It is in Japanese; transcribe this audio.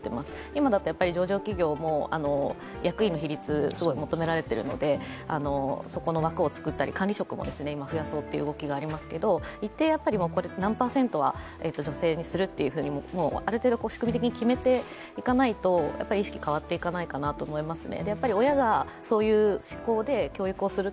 今だと上場企業も役員の比率が求められているのでそこの枠を作ったり、管理職も今、増やそうという動きがありますが一定、何％は女性にするというふうに、ある程度仕組み的に決めていかないと、意識が変わっていかないかなと思いますね。